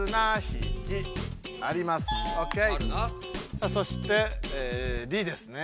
さあそして「り」ですね。